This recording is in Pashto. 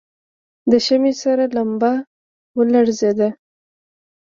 د شمعې سره لمبه ولړزېده.